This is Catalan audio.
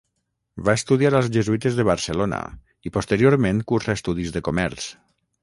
Va estudiar als Jesuïtes de Barcelona i posteriorment cursà estudis de comerç.